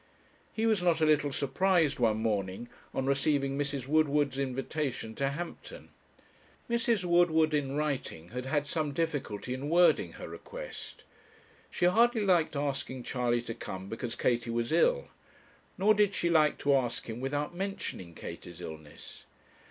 He was not a little surprised one morning on receiving Mrs. Woodward's invitation to Hampton. Mrs. Woodward in writing had had some difficulty in wording her request. She hardly liked asking Charley to come because Katie was ill; nor did she like to ask him without mentioning Katie's illness.